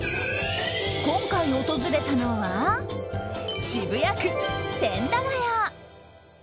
今回訪れたのは、渋谷区千駄ヶ谷。